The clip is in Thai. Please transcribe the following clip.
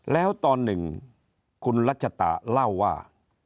แล้วตอนหนึ่งคุณรัชตาเล่าว่า